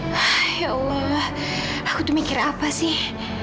wah ya allah aku tuh mikir apa sih